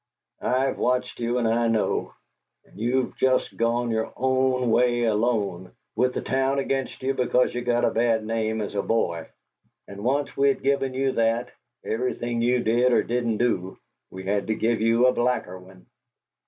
I've watched you and I know; and you've just gone your own way alone, with the town against you because you got a bad name as a boy, and once we'd given you that, everything you did or didn't do, we had to give you a blacker one.